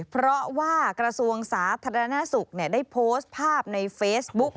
เพราะว่ากระทรวงสาธารณสุขได้โพสต์ภาพในเฟซบุ๊ก